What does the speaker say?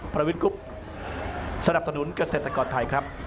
ประวิทย์กุ๊บสนับสนุนเกษตรกรไทยครับ